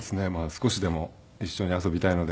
少しでも一緒に遊びたいので。